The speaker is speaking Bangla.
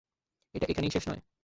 এটা এখানেই শেষ নয়।